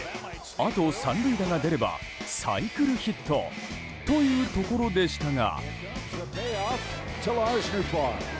あと３塁打が出ればサイクルヒットというところでしたが。